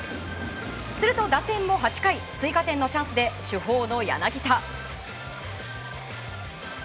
すると打線も８回追加点のチャンスで主砲の柳田。